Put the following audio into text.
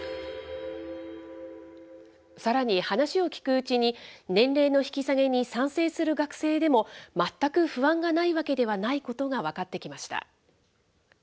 さらに、話を聞くうちに、年齢の引き下げに賛成する学生でも、全く不安がないわけではないことが分かってきました。